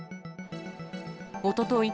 おととい